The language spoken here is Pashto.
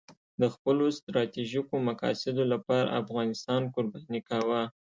د خپلو ستراتیژیکو مقاصدو لپاره افغانستان قرباني کاوه.